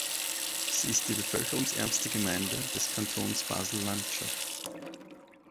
Sie ist die bevölkerungsärmste Gemeinde des Kantons Basel-Landschaft.